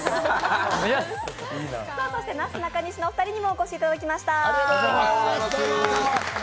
そして、なすなかにしのお二人にもお越しいただきました。